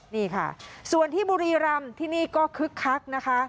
นี่ค่ะส่วนที่บุรีรำที่นี่ก็คึกคักนะคะ